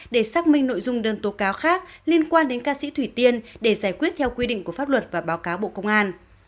để xác minh nội dung đơn tố cáo khác liên quan đến ca sĩ thủy tiên để giải quyết theo quy định của pháp luật và báo cáo bộ công an